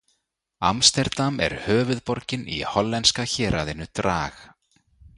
Amsterdam er höfuðborgin í hollenska héraðinu Drag.